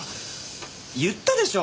言ったでしょ？